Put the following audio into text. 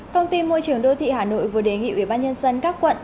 công ty môi trường đô thị hà nội vừa đề nghị ubnd các quận